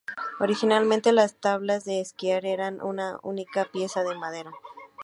Originalmente las tablas de esquiar eran una única pieza de madera.